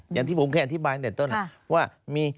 อย่างที่ผมเคยอธิบายตั้งแต่ต้นว่า